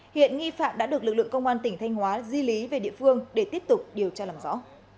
hiện nghi phạm đã được lực lượng công an tỉnh thanh hóa di lý về địa phương để tiếp tục điều tra làm rõ